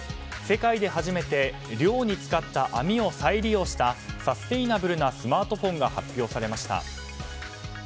世界で初めて漁に使った網を再利用したサステナブルなスマートフォンが発表されました。